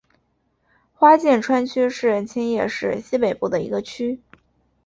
花见川区是千叶市西北部的一个区。